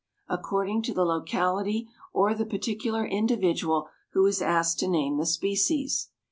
according to the locality or the particular individual who is asked to name the species.